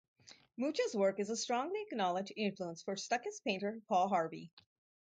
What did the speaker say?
Mucha's work is a strongly acknowledged influence for Stuckist painter Paul Harvey.